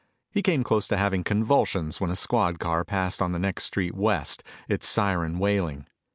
He came close to having convulsions when a squad car passed on the next street west, its siren wailing.